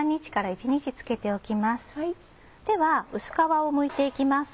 では薄皮をむいて行きます。